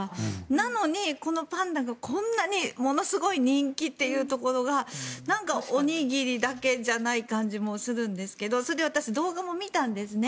なのに、このパンダがこんなにものすごい人気というところがおにぎりだけじゃない感じもするんですけど私、動画も見たんですね。